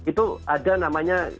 itu ada namanya